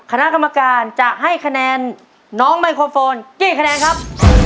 คณะกรรมการจะให้คะแนนน้องไมโครโฟนกี่คะแนนครับ